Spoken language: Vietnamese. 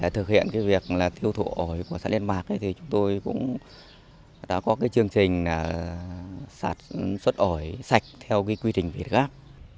thực hiện cái việc là thiêu thụ ổi của xã liên mạc thì chúng tôi cũng đã có cái chương trình là sạch xuất ổi sạch theo cái quy trình về khác